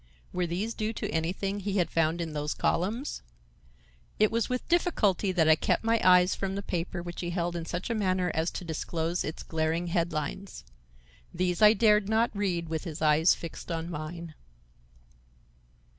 Were these due to anything he had found in those columns? It was with difficulty that I kept my eyes from the paper which he held in such a manner as to disclose its glaring head lines. These I dared not read with his eyes fixed on mine.